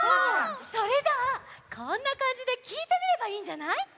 それじゃあこんなかんじできいてみればいいんじゃない？